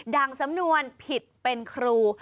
ั่งสำนวนผิดเป็นครู